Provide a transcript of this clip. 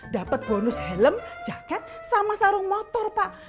dapat bonus helm jaket sama sarung motor pak